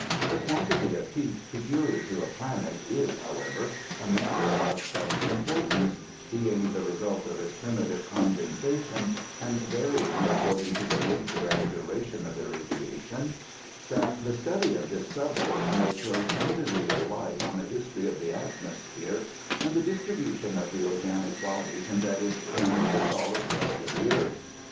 The quantity of heat peculiar to a planet is, however, a matter of such hnportanee— being the result of its primitive condensation, and varying according to the nature and dura tion of the radiation — ^^that the study of this subject may throw* some degree of light on the history of the atmosphere, and the distribution of the organic bodies imbedded in the solid crust of the earth.